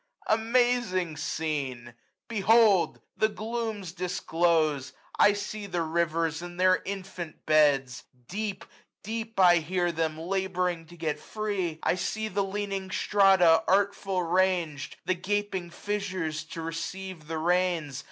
Amazing scene ! Behold ! the glooms disclose ; 805 1 see the rivers in their infant beds ! Deep, deep I hear them, laboring to get free ! I see the leaning strata, artful rang'd ; The gaping fissures to receive the rains.